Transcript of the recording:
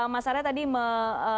mas sarah tadi mengatakan